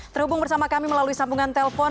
terhubung bersama kami melalui sambungan telpon